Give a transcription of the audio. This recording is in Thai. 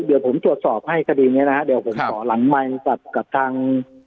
เดี๋ยวผมตรวจสอบให้คดีเนี้ยนะฮะเดี๋ยวผมขอหลังไมค์กับทาง